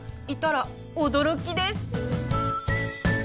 いたら驚きです。